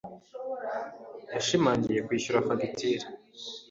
yashimangiye kwishyura fagitire.